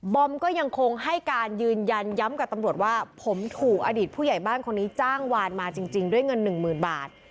อมก็ยังคงให้การยืนยันย้ำกับตำรวจว่าผมถูกอดีตผู้ใหญ่บ้านคนนี้จ้างวานมาจริงด้วยเงินหนึ่งหมื่นบาท